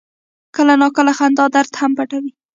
کله ناکله خندا درد هم پټوي.